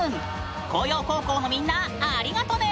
向陽高校のみんなありがとね！